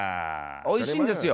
おいしいんですよ。